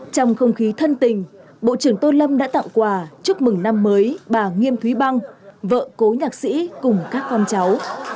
trong không khí thân tình bộ trưởng tô lâm đã tặng quà chúc mừng năm mới bà nghiêm thúy băng vợ cố nhạc sĩ cùng các con cháu